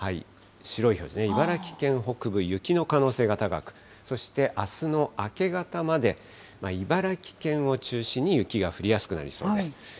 白い表示、茨城県北部、雪の可能性が高く、そしてあすの明け方まで、茨城県を中心に雪が降りやすくなりそうです。